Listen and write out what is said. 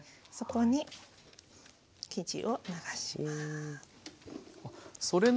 そこに生地を流します。